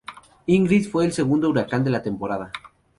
Ingrid, fue el segundo huracán de la temporada.